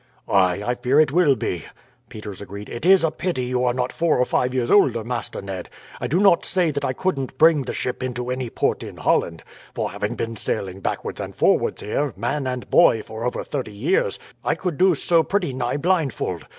"Ay, I fear it will be," Peters agreed. "It is a pity you are not four or five years older, Master Ned. I do not say that I couldn't bring the ship into any port in Holland; for, having been sailing backwards and forwards here, man and boy, for over thirty years, I could do so pretty nigh blindfold.